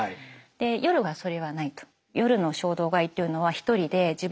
夜はそれはないと。